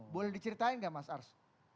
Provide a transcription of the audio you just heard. boleh diceritain nggak mas ars